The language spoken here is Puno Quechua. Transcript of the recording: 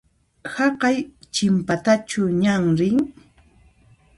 Haqay chinpatachu ñan rin?